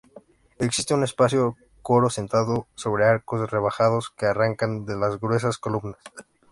Existe un espacioso coro sentado sobre arcos rebajados que arrancan de las gruesas columnas.